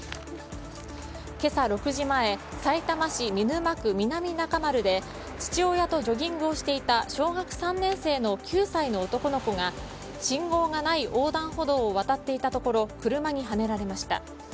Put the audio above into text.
今朝６時前さいたま市見沼区南中丸で父親とジョギングをしていた小学３年生の９歳の男の子が信号がない横断歩道を渡っていたところ車にはねられました。